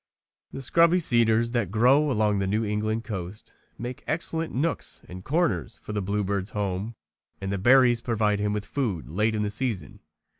The scrubby cedars that grow along the New England coast make excellent nooks and corners for the bluebird's home and the berries provide him with food late in the season.